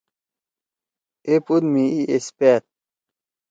اے پوت می ای ایس پأد۔